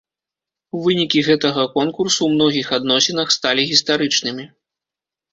Вынікі гэтага конкурсу ў многіх адносінах сталі гістарычнымі.